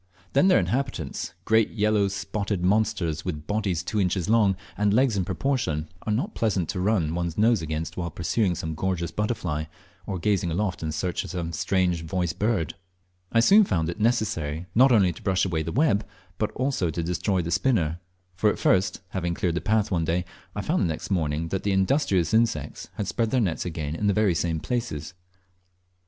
Then their inhabitants, great yellow spotted monsters with bodies two inches long, and legs in proportion, are not pleasant to o run one's nose against while pursuing some gorgeous butterfly, or gazing aloft in search of some strange voiced bird. I soon found it necessary not only to brush away the web, but also to destroy the spinner; for at first, having cleared the path one day, I found the next morning that the industrious insects had spread their nets again in the very same places.